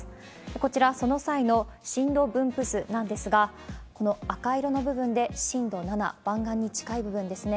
こちら、その際の震度分布図なんですが、この赤色の部分で震度７、湾岸に近い部分ですね。